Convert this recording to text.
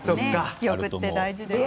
記憶って大事ですね。